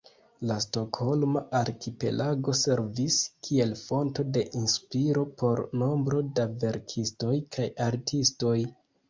La Stokholma arkipelago servis kiel fonto de inspiro por nombro da verkistoj kaj artistoj.